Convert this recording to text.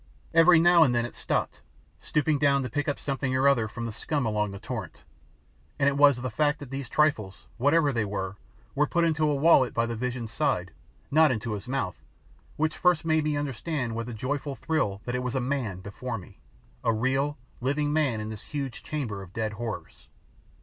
Every now and then it stopped, stooping down to pick up something or other from the scum along the torrent, and it was the fact that these trifles, whatever they were, were put into a wallet by the vision's side not into his mouth which first made me understand with a joyful thrill that it was a MAN before me a real, living man in this huge chamber of dead horrors!